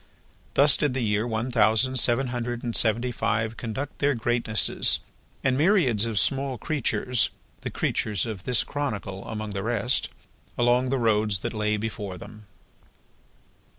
Thus did the year one thousand seven hundred and seventy five conduct their Greatnesses, and myriads of small creatures the creatures of this chronicle among the rest along the roads that lay before them.